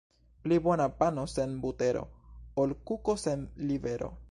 Pli bona pano sen butero, ol kuko sen libero.